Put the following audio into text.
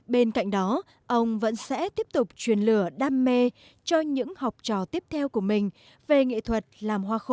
bên cạnh đó ông vẫn sẽ tiếp tục truyền lửa đam mê cho những học trò tiếp theo của mình về nghệ thuật làm hoa khô